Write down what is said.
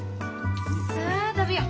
さあ食べよう！